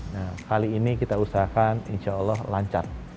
nah kali ini kita usahakan insya allah lancar